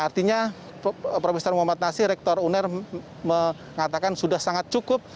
artinya prof muhammad nasi rektor uner mengatakan sudah sangat cukup